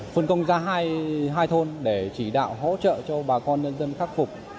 phân công ra hai thôn để chỉ đạo hỗ trợ cho bà con nhân dân khắc phục